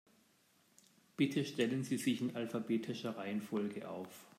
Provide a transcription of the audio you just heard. Bitte stellen Sie sich in alphabetischer Reihenfolge auf.